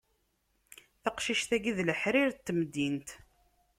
Taqcict-agi d leḥrir n temdint.